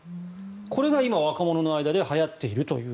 これが今若者の間ではやっていると。